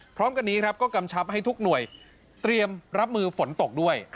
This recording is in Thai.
พร้อมกันนี้ครับก็กำชับให้ทุกหน่วยเตรียมรับมือฝนตกด้วย